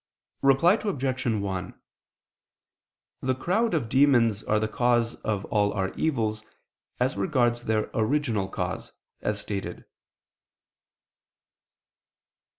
Reply Obj. 1: The crowd of demons are the cause of all our evils, as regards their original cause, as stated.